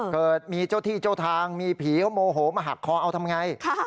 เกิดมีเจ้าที่เจ้าทางมีผีเขาโมโหมาหักคอเอาทำไง